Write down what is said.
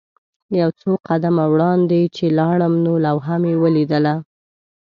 یو څو قدمه وړاندې چې لاړم نو لوحه مې ولیدله.